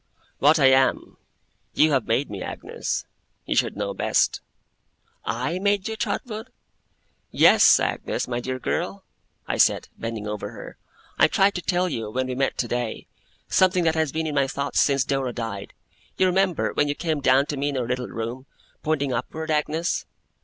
'What I am, you have made me, Agnes. You should know best.' 'I made you, Trotwood?' 'Yes! Agnes, my dear girl!' I said, bending over her. 'I tried to tell you, when we met today, something that has been in my thoughts since Dora died. You remember, when you came down to me in our little room pointing upward, Agnes?